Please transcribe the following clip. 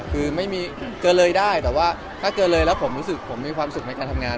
คือเกินเลยได้แต่ว่าถ้าเกินเลยแล้วผมมีความสุขในการทำงาน